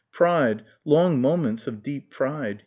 pride, long moments of deep pride....